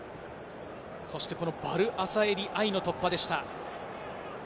そしてヴァル・アサエリ愛の突破でした。